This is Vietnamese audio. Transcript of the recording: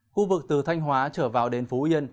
khu vực từ thanh hóa trở vào đến phú yên